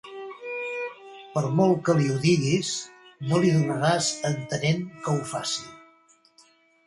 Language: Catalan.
Per molt que li ho diguis, no li donaràs entenent que ho faci!